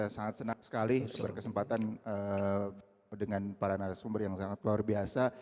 sangat senang sekali berkesempatan dengan para narasumber yang sangat luar biasa